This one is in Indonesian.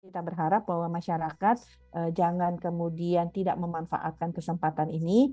kita berharap bahwa masyarakat jangan kemudian tidak memanfaatkan kesempatan ini